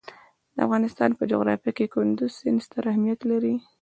د افغانستان په جغرافیه کې کندز سیند ستر اهمیت لري.